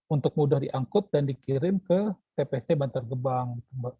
untuk mudah diangkut dan dikirim ke tpst bantar gebang